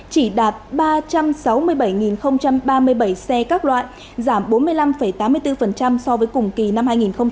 chỉ đạt ba trăm sáu mươi bảy ba mươi bảy xe các loại giảm bốn mươi năm tám mươi bốn so với cùng kỳ năm hai nghìn một mươi chín